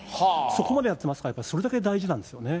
そこまでやってますから、それだけ大事なんですよね。